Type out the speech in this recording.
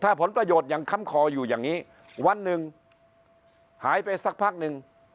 ถ้าผลประโยชน์ยังค้ำคออยู่อย่างนี้วันหนึ่งหายไปสักพักหนึ่ง